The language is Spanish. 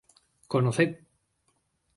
¡conoced!